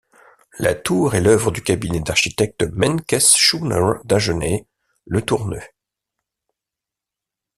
La tour est l'œuvre du cabinet d'architectes Menkès Shooner Dagenais Letourneux.